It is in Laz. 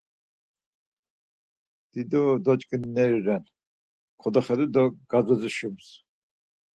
Dido doç̌ǩindineri ren, kodoxedu do gazozi şums.